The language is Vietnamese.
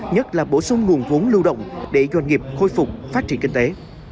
nhất là bổ sung nguồn vốn lưu động để doanh nghiệp khôi phục phát triển kinh tế